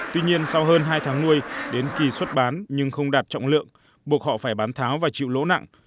tuy nhiên sau hơn hai tháng nuôi đến kỳ xuất bán nhưng không đạt trọng lượng buộc họ phải bán tháo và chịu lỗ nặng